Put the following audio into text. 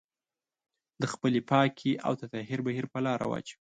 د خپلې پاکي او تطهير بهير په لار واچوي.